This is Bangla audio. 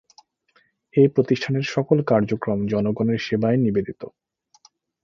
এ প্রতিষ্ঠানের সকল কার্যক্রম জনগণের সেবায় নিবেদিত।